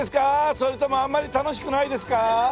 それともあんまり楽しくないですか？